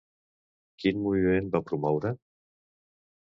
Quin moviment va promoure?